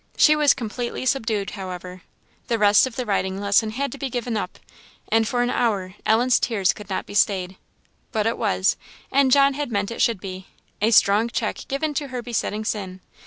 She was completely subdued, however; the rest of the riding lesson had to be given up, and for an hour Ellen's tears could not be stayed. But it was, and John had meant it should be, a strong check given to her besetting sin.